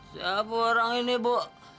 siapa orang ini bu